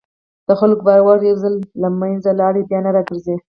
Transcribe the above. د خلکو باور یو ځل له منځه لاړ، بیا نه راګرځي.